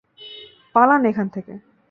পালান এখান থেকে।